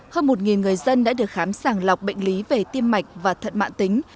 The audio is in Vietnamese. hơn một người dân đã được khám sàng lọc bệnh lý về tim mạch và thận mạng tính